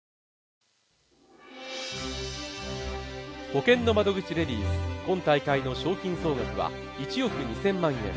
ほけんの窓口、今大会の賞金総額は１億２０００万円。